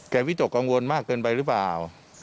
วิตกกังวลมากเกินไปหรือเปล่า